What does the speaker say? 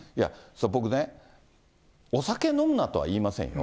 僕ね、お酒飲むなとは言いませんよ。